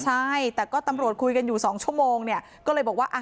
ใช่แต่ก็ตำรวจคุยกันอยู่๒ชั่วโมงเนี่ยก็เลยบอกว่า